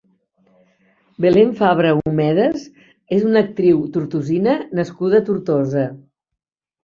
Belén Fabra Homedes és una actriu tortosina nascuda a Tortosa.